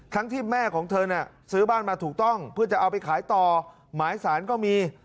ที่แม่ของเธอน่ะซื้อบ้านมาถูกต้องเพื่อจะเอาไปขายต่อหมายสารก็มี